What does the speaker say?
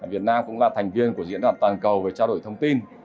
việt nam cũng là thành viên của diễn đàn toàn cầu về trao đổi thông tin